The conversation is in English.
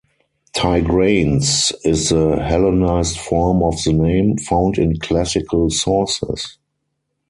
"Tigranes" is the Hellenized form of the name, found in classical sources.